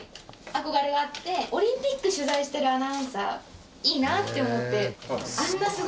オリンピック取材してるアナウンサーいいなって思って。